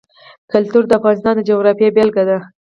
کلتور د افغانستان د جغرافیې بېلګه ده.